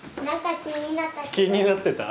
気になってた？